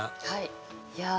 はい。